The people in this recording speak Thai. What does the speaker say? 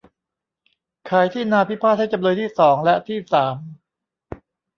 ขายที่นาพิพาทให้จำเลยที่สอง และที่สาม